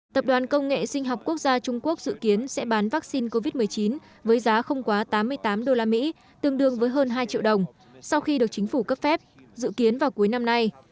tập đoàn công nghệ sinh học quốc gia trung quốc dự kiến sẽ bán vaccine covid một mươi chín với giá không quá tám mươi tám usd tương đương với hơn hai triệu đồng sau khi được chính phủ cấp phép dự kiến vào cuối năm nay